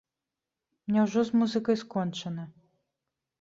Няўжо з музыкай скончана?